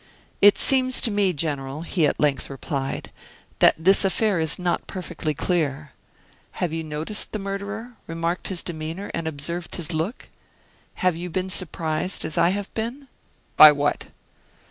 "It seems to me, General," he at length replied, "that this affair is not perfectly clear. Have you noticed the murderer, remarked his demeanor, and observed his look? Have you been surprised as I have been ?" "By what?"